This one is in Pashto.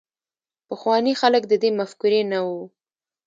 پخواني خلک د دې مفکورې نه وو.